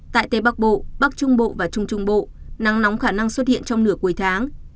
tại tây bắc bộ bắc trung bộ và trung trung bộ nắng nóng khả năng xuất hiện trong nửa cuối tháng